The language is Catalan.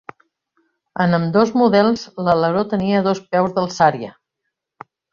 En ambdós models, l'aleró tenia dos peus d'alçària.